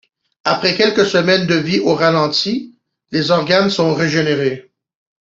Après quelques semaines de vie au ralenti, les organes sont régénérés.